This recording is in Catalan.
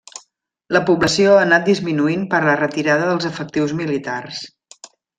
La població ha anat disminuint per la retirada dels efectius militars.